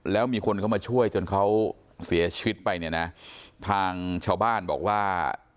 แล้วมีคนเข้ามาช่วยจนเขาเสียชีวิตไปเนี่ยนะทางชาวบ้านบอกว่า